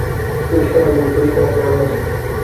পরিষ্কার রাঁধুনী, পরিষ্কার হাতের রান্না চাই।